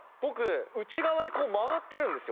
内側にこう曲がってるんです